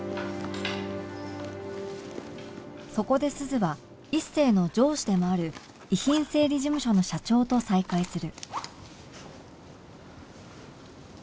そこで鈴は一星の上司でもある遺品整理事務所の社長と再会する